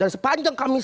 dan sepanjang kami berdua